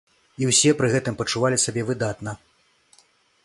І ўсе пры гэтым пачувалі сябе выдатна.